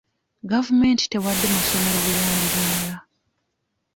Gavumenti tewadde masomero buyambi bumala.